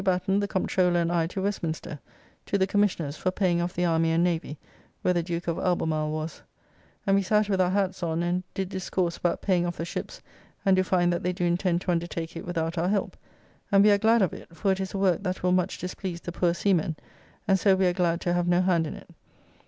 Batten, the Comptroller and I to Westminster, to the Commissioners for paying off the Army and Navy, where the Duke of Albemarle was; and we sat with our hats on, and did discourse about paying off the ships and do find that they do intend to undertake it without our help; and we are glad of it, for it is a work that will much displease the poor seamen, and so we are glad to have no hand in it.